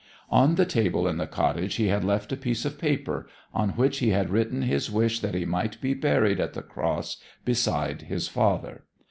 On the table in the cottage he had left a piece of paper, on which he had written his wish that he might be buried at the Cross beside his father.